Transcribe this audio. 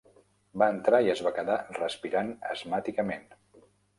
Va entrar i es va quedar respirant asmàticament.